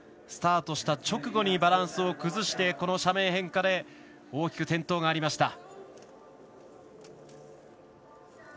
スタートした直後にバランスを崩してこの斜面変化で大きく転倒がありました。